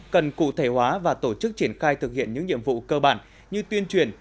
cần cụ thể hóa và tổ chức triển khai thực hiện những nhiệm vụ cơ bản như tuyên truyền